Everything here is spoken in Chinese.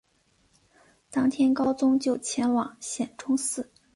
当天高宗就前往显忠寺。